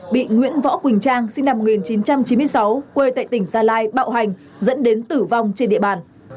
bị nguyễn võ quỳnh trang sinh năm một nghìn chín trăm chín mươi sáu quê tại tỉnh gia lai bạo hành dẫn đến tử vong trên địa bàn